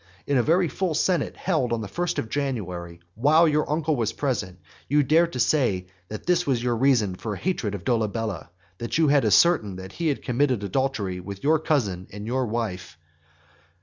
In a very full senate held on the first of January, while your uncle was present, you dared to say that this was your reason for hatred of Dolabella, that you had ascertained that he had committed adultery with your cousin and your wife.